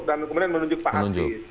dan kemudian menunjuk pak asti